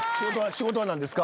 仕事は何ですか？